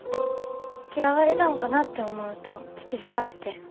きらわれたのかなって思うと聞きづらくて。